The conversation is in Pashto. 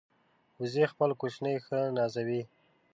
وزې خپل کوچني ښه نازوي